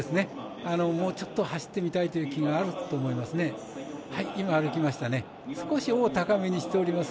もうちょっと走ってみたいという気があるのかもしれないです。